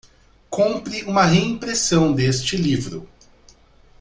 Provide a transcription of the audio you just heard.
Compre uma reimpressão deste livro